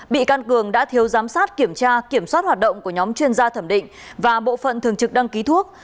bị can cường đã thiếu giám sát kiểm tra kiểm soát hoạt động của nhóm chuyên gia thẩm định và bộ phận thường trực đăng ký thuốc